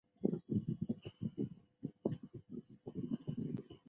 他又是伊朗宪政运动的领导人。